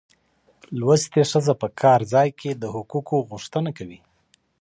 زده کړه ښځه په کار ځای کې د حقوقو غوښتنه کوي.